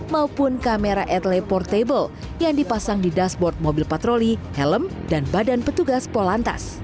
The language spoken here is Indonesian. maupun kamera etle portable yang dipasang di dashboard mobil patroli helm dan badan petugas polantas